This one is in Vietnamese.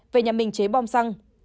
về nhà mình chế bom xăng